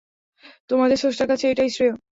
তোমাদের স্রষ্টার কাছে এটাই শ্রেয়।